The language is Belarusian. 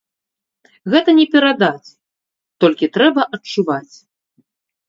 Гэта не перадаць, толькі трэба адчуваць.